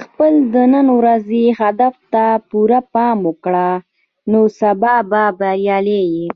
خپل د نن ورځې هدف ته پوره پام وکړه، نو سبا به بریالی یې.